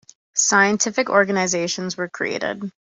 Scientific organisations were created.